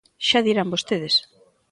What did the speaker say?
Xa dirán vostedes.